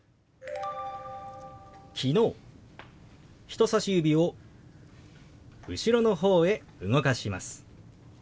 人さし指を後ろのほうへ動かします。